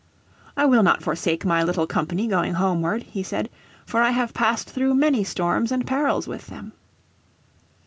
"I will not forsake my little company going homeward,' he said. "For I have passed through many storms and perils with them."